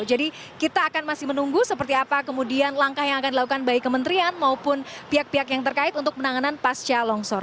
jadi kita akan masih menunggu seperti apa kemudian langkah yang akan dilakukan baik kementrian maupun pihak pihak yang terkait untuk penanganan pasca longsor